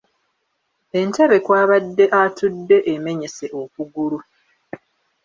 Entebbe kw'abadde atudde emmenyese okugulu.